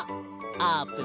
あーぷん！